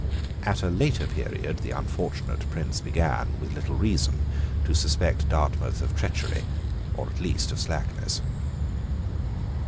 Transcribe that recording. At a later period the unfortunate prince began, with little reason, to suspect Dartmouth of treachery, or at least of slackness.